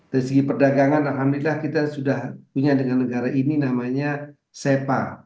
dari segi perdagangan alhamdulillah kita sudah punya dengan negara ini namanya sepa